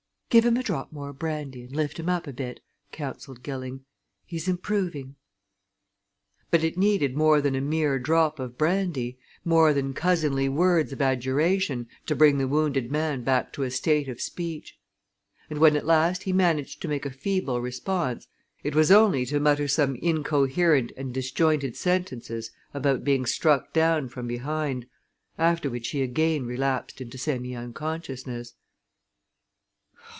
"Give him a drop more brandy and lift him up a bit," counselled Gilling. "He's improving." But it needed more than a mere drop of brandy, more than cousinly words of adjuration, to bring the wounded man back to a state of speech. And when at last he managed to make a feeble response, it was only to mutter some incoherent and disjointed sentences about and being struck down from behind after which he again relapsed into semi unconsciousness.